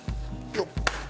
よっ！